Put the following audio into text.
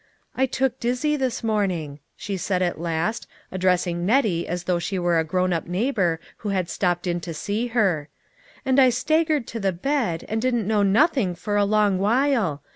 " I took dizzy this morning," she said at last, ad dressing Nettie as though she were a grown up O O ~ 1 neighbor who had stepped in to see her, " and I staggered to the bed, and didn't know nothing for a long while.